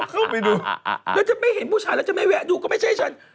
เข้าไปดูแล้วจะไม่เห็นผู้ชายแล้วจะไม่แวะดูก็ไม่ใช่ฉัน